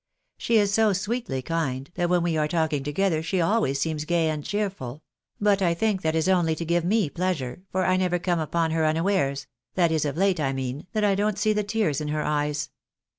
She is so sweetly kind, that when we are talking together she always seems gay and cheer ful ; but I think that is only to give me pleasure, for I never come upon her unawares — that is of late, I mean — that I don't see the tears in her eyes."